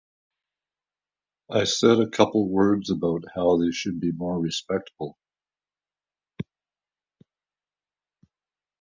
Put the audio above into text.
I said a couple words about how they should be more respectful.